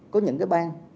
có những cái bang